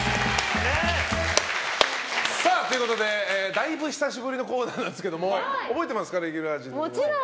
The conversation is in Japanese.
だいぶ久しぶりのコーナーなんですけど覚えていますかレギュラー陣は？